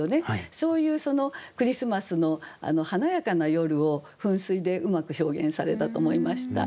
そういうそのクリスマスの華やかな夜を「噴水」でうまく表現されたと思いました。